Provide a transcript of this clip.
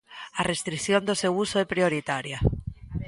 A restrición do seu uso é prioritaria.